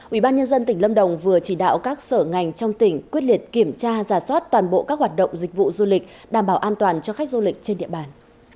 ubnd tỉnh lâm đồng vừa chỉ đạo các sở ngành trong tỉnh quyết liệt kiểm tra giả soát toàn bộ các hoạt động dịch vụ du lịch đảm bảo an toàn cho khách du lịch trên địa bàn